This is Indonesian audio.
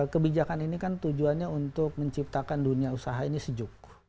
kebijakan ini kan tujuannya untuk menciptakan dunia usaha ini sejuk